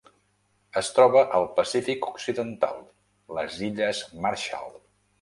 Es troba al Pacífic occidental: les illes Marshall.